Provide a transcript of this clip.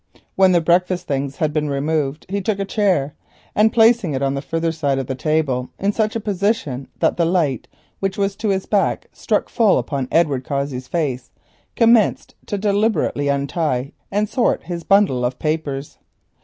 When the breakfast things had been removed he took a chair, and placing it on the further side of the table in such a position that the light, which was to his back, struck full upon Edward Cossey's face, began to deliberately untie and sort his bundle of papers.